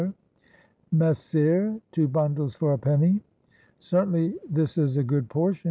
"Messere, two bundles for a penny." " Certainly this is a good portion.